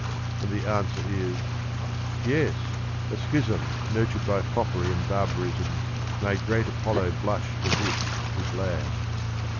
" and the answer is, Yes, a schism Nurtured by foppery and barbarism, Made great Apollo blush for this his land.